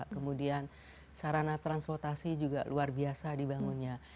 kemudian sarana transportasi juga luar biasa dibangunnya